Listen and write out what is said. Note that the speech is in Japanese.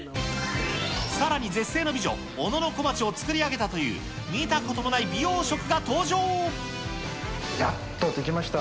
さらに絶世の美女、小野小町を作り上げたという、やっと出来ました。